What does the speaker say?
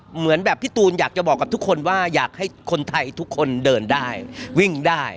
เหมือนแบบพี่ตูนอยากจะบอกกับทุกคนว่าอยากให้คนไทยทุกคนเดินได้วิ่งได้